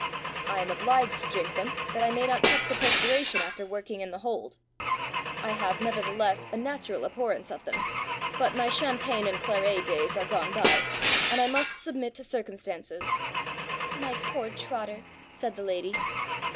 I am obliged to drink them that I may not check the perspiration after working in the hold: I have, nevertheless, a natural abhorrence of them; but my champagne and claret days are gone by, and I must submit to circumstances." "My poor Trotter!" said the lady.